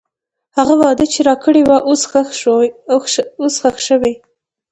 هغه وعده چې راکړې وه، اوس ښخ شوې.